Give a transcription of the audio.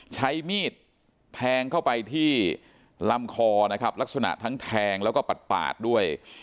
ใช้มีดแทงเข้าไปที่รำคอลักษณะทั้งแทงและปัดปาดด้วย